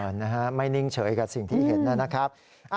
ใช่ค่ะไม่นิ่งเฉยกับสิ่งที่เห็นนั่นนะครับ